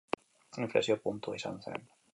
Inflexio puntua izan zen.